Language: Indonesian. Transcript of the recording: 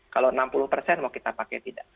kalau enam puluh persen mau kita pakai tidak